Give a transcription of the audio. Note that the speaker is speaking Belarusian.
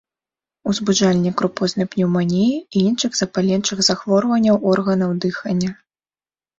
Узбуджальнік крупознай пнеўманіі і іншых запаленчых захворванняў органаў дыхання.